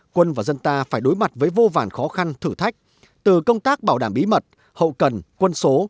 quân và dân ta phải đối mặt với vô vàn khó khăn thử thách từ công tác bảo đảm bí mật hậu cần quân số